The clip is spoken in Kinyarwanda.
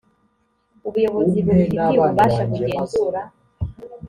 ubuyobozi bubifitiye ububasha bugenzura